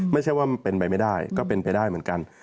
ไม่ใช่ว่ามันเป็นไปไม่ได้ก็เป็นไปได้เหมือนกัน